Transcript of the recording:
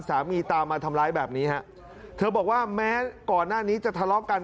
สามีตามมาทำร้ายแบบนี้ฮะเธอบอกว่าแม้ก่อนหน้านี้จะทะเลาะกัน